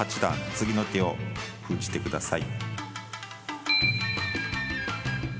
次の手を封じてください。